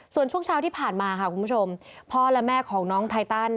ส่วนช่วงเช้าที่ผ่านมาค่ะคุณผู้ชมพ่อและแม่ของน้องไทตัน